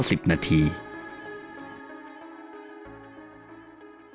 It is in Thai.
สวัสดีครับผมสวัสดีครับผมสวัสดีครับผม